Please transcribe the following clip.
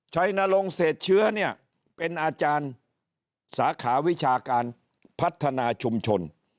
นรงเศษเชื้อเนี่ยเป็นอาจารย์สาขาวิชาการพัฒนาชุมชน